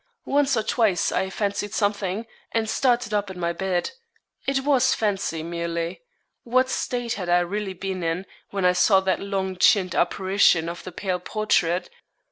Once or twice I fancied something, and started up in my bed. It was fancy, merely. What state had I really been in, when I saw that long chinned apparition of the pale portrait?